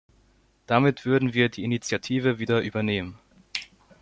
Damit würden wir die Initiative wieder übernehmen.